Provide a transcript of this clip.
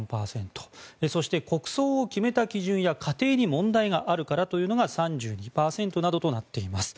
そして、国葬を決めた基準や過程に問題があるからというのが３２％などとなっています。